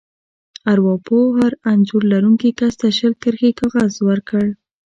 ارواپوه هر انځور لرونکي کس ته شل کرښې کاغذ ورکړ.